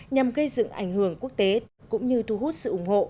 nhằm gây dựng ảnh hưởng quốc tế cũng như thu hút sự ủng hộ